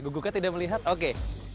guguknya tidak melihat oke